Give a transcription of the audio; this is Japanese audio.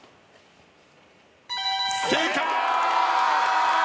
正解！